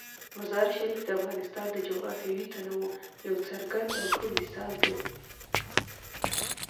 مزارشریف د افغانستان د جغرافیوي تنوع یو څرګند او ښه مثال دی.